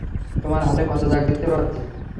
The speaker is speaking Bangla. তোমার হাতে ক্ষত দাগ দেখতে পাচ্ছি।